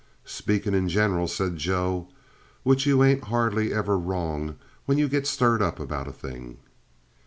"Speakin' in general," said Joe, "which you ain't hardly ever wrong when you get stirred up about a thing."